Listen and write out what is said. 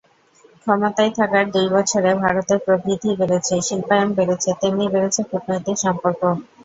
ক্ষমতায় থাকার দুই বছরে ভারতের প্রবৃদ্ধি বেড়েছে, শিল্পায়ন বেড়েছে, তেমনি বেড়েছে কূটনৈতিক সম্পর্ক।